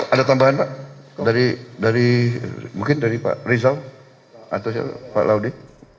ada tambahan pak dari dari mungkin dari pak rizal atau pak laudy